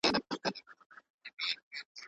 او درېیو یتیمو ماشومو